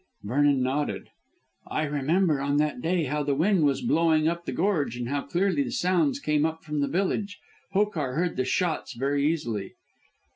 Vernon nodded. "I remember on that day how the wind was blowing up the gorge and how clearly the sounds came up from the village. Hokar heard the shots very easily."